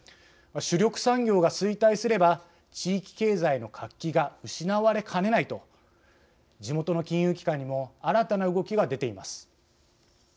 主力産業が衰退すれば地域経済の活気が失われかねないと地元の金融機関にも新たな動きが出ています。